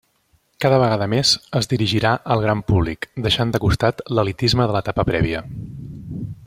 Cada vegada més es dirigirà al gran públic, deixant de costat l'elitisme de l'etapa prèvia.